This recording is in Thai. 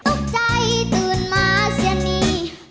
ตกใจตื่นมาเสียนี่